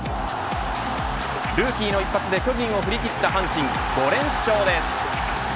ルーキーの一発で巨人を振り切った阪神、５連勝です。